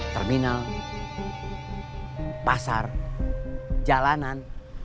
terminal pasar jalanan